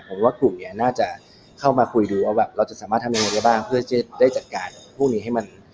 ผมว่ากลุ่มนี้น่าจะเข้ามาคุยดูว่าแบบเราจะสามารถทำยังไงได้บ้างเพื่อจะได้จัดการพวกนี้ให้มัน